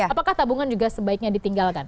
apakah tabungan juga sebaiknya ditinggalkan